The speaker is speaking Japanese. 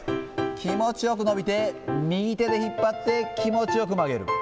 気持ちよく伸びて右手で引っ張って、気持ちよく曲げる。